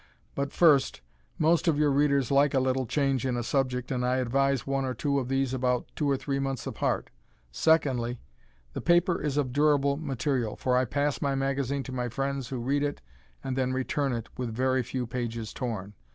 But, first, most of your Readers like a little change in a subject and I advise one or two of these about two or three months apart. Second, the paper is of durable material, for I pass my magazine to my friends who read it and then return it with very few pages torn.